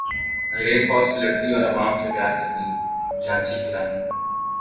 انگریز فوج سے لڑتی اور عوام سے پیار کرتی جھانسی کی رانی